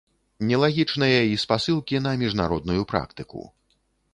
Нелагічныя і спасылкі на міжнародную практыку.